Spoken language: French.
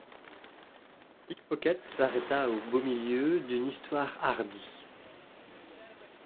Pickpocket s’arrêta au beau milieu d’une histoire hardie.